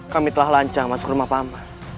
kami telah lancar masuk ke rumah paman